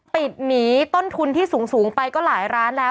หนีต้นทุนที่สูงไปก็หลายร้านแล้ว